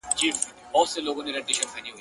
لكه زركي هم طنازي هم ښايستې وې!!